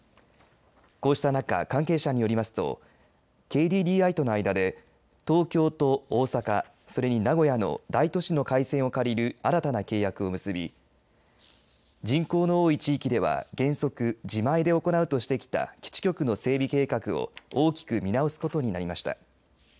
こうした中、関係者によりますとＫＤＤＩとの間で東京と大阪、それに名古屋の大都市の回線を借りる新たな契約を結び人口の多い地域では原則自前で行うとしてきた基地局の整備計画を大きく見直すことになりました。